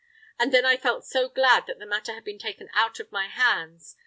And then I felt so glad that the matter had been taken out of my hands.